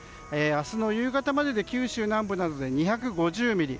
明日の夕方までに九州南部などで２５０ミリ。